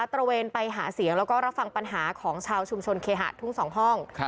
ระเวนไปหาเสียงแล้วก็รับฟังปัญหาของชาวชุมชนเคหะทุ่งสองห้อง